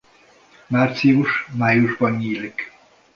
Március–májusban nyílik.